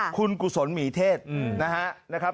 คุณกุศลหมีเทศนะครับ